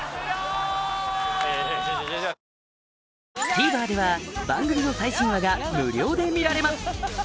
ＴＶｅｒでは番組の最新話が無料で見られます